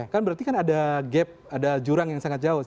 kan berarti kan ada gap ada jurang yang sangat jauh